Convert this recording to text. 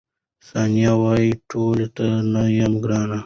ثانیه وايي، ټولو ته نه یم ګرانه.